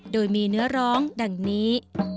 โดยมีเนื้อร้องดังนี้